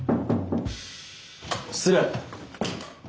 失礼。